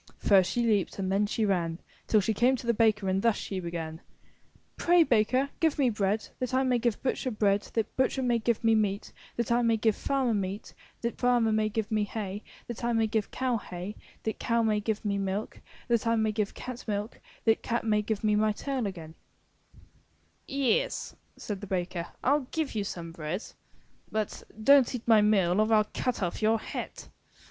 First she leaped and then she ran Till she came to the baker and thus she began: Pray, Baker, give me bread, that I may give butcher bread, that butcher may give me meat, that I may give farmer meat, that farmer may give me hay, that I may give cow hay, that cow may give me milk, that I may give cat milk, that cat may give me my tail again/' /'Yes," says the baker, 'Til give you some bread, t^ *'But don't eat my meal or I'll cut off your head!"